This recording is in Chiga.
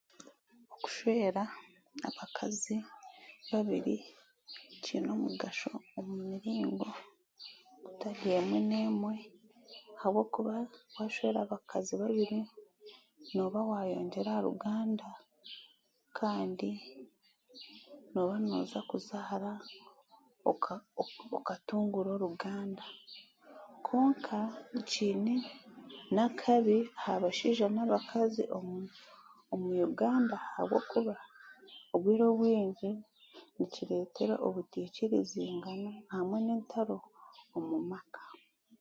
Okushwera abakazi babiri kiine omugasho omu miringo etari emwe n'emwe ahabwokuba waashwera abakazi babiri nooba waayongyera aha ruganda kandi nooba noooza kuzaara oka oka okatunguura oruganda kwonka kiine nakabi aha bashaija n'abakazi omu omu uganda ahabwokuba obwire obwingi nikireetera obutiikirizingana hamwe n'entaro omu maka